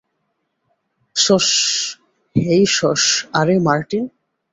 শসশস - হেই - শসশস - আরে, মার্টিন।